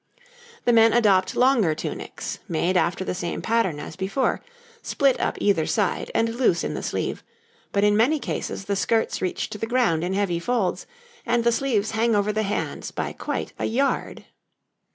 The men adopt longer tunics, made after the same pattern as before split up either side and loose in the sleeve but in many cases the skirts reach to the ground in heavy folds, and the sleeves hang over the hands by quite a yard.